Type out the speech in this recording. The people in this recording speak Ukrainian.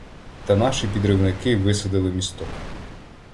То наші підривники висадили місток.